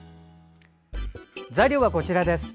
材料はこちらです。